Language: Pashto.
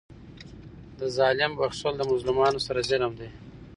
د ظالم بخښل د مظلومانو سره ظلم دئ.